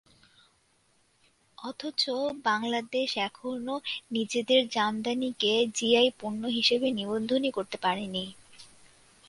অথচ, বাংলাদেশ এখনো নিজেদের জামদানিকে জিআই পণ্য হিসেবে নিবন্ধনই করতে পারেনি।